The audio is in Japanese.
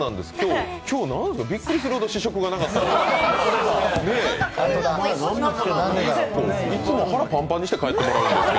今日、びっくりするほど試食がなかったですよね。